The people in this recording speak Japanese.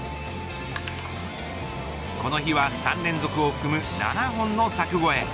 この日は３連続を含む７本の柵越え。